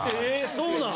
そうなん？